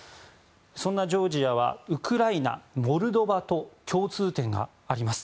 そんなジョージアはウクライナ、モルドバと共通点があります。